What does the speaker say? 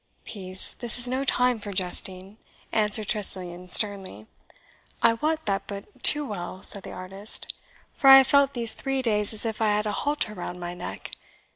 "Peace, this is no time for jesting," answered Tressilian sternly. "I wot that but too well," said the artist, "for I have felt these three days as if I had a halter round my neck.